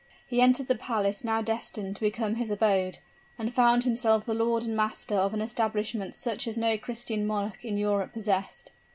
He entered the palace now destined to become his abode, and found himself the lord and master of an establishment such as no Christian monarch in Europe possessed.